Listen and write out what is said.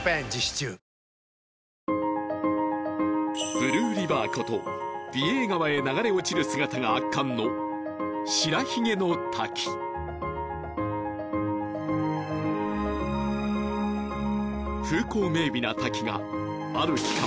ブルーリバーこと美瑛川へ流れ落ちる姿が圧巻の白ひげの滝風光明媚な滝がある期間